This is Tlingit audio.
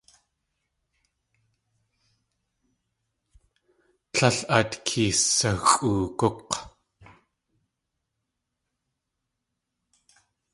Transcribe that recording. Líl át keesaxʼoogúk̲!